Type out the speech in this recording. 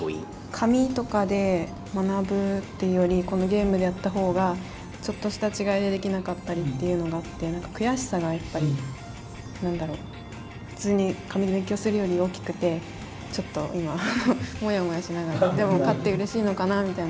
紙とかで学ぶっていうよりこのゲームでやった方がちょっとした違いでできなかったりっていうのがあって何か悔しさがやっぱり何だろ普通に紙で勉強するより大きくてちょっと今もやもやしながらでも勝ってうれしいのかなみたいな気分で。